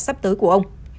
sắp tới của ông